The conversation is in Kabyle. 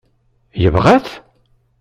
Yebɣa-t?